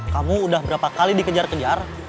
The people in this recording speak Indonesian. kamu udah berapa kali dikejar kejar